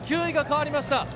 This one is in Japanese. ９位が変わりました。